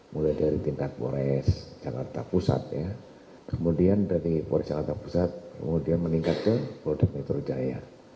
mulai dari tingkat polres jakarta pusat kemudian dari polres jakarta pusat kemudian meningkat ke polda metro jaya